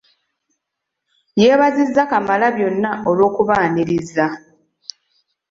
Yeebaziza Kamalabyonna olw'okubaaniriza.